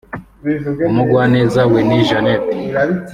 Umugwaneza Winnie Janet